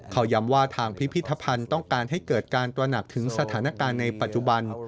เขาย้ำว่าทางพิพิธภัณฑ์ต้องการให้เกิดการตระหนักถึงสถานการณ์ในปัจจุบัน